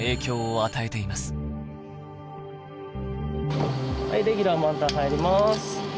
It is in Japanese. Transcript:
はいレギュラー満タン入ります。